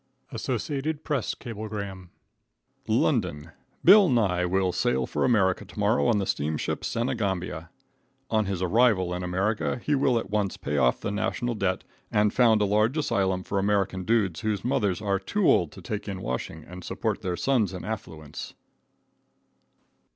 [Associated Press Cablegram] LONDON, ,. Bill Nye will sail for America to morrow in the steamship Senegambia. On his arrival in America he will at once pay off the national debt and found a large asylum for American dudes whose mothers are too old to take in washing and support their sons in affluence.